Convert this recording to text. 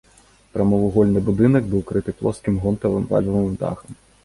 Прамавугольны будынак быў крыты плоскім гонтавым вальмавым дахам.